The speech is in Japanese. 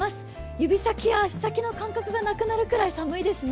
指先や足先の感覚がなくなるくらい寒いですね。